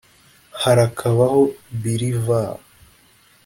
Harakabaho Bilivar